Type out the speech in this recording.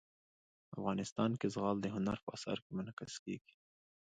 افغانستان کې زغال د هنر په اثار کې منعکس کېږي.